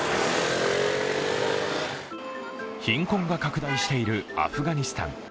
貧困が拡大しているアフガニスタン。